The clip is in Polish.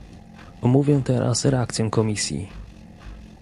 Omówię teraz reakcję Komisji